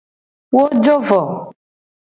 Wo jo vo.